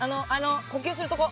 呼吸するとこ。